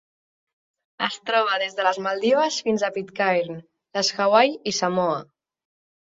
Es troba des de les Maldives fins a Pitcairn, les Hawaii i Samoa.